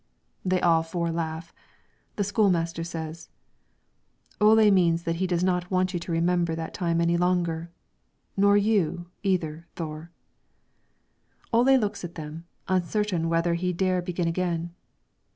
They all four laugh; the school master says: "Ole means that he does not want you to remember that time any longer; nor you, either, Thore." Ole looks at them, uncertain whether he dare begin again.